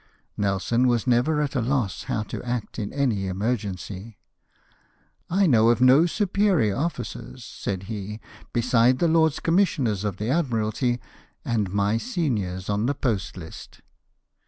Nelson was never at a loss how to act in any emergency. " I know of no superior officers," said he, " beside the Lords Commissioners of the Admiralty and my seniors on the post hst."